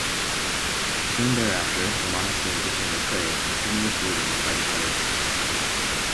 Soon thereafter the monastery became a prey of continuous looting by the pirates.